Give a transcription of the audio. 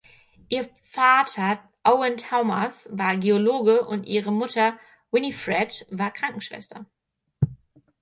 Ihr Vater Owen Thomas war Geologe und ihre Mutter Winifred war Krankenschwester.